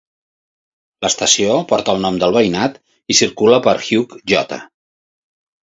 L"estació porta el nom del veïnat i circula per Hugh J.